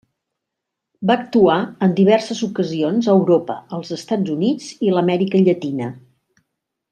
Va actuar en diverses ocasions a Europa, els Estats Units i l'Amèrica llatina.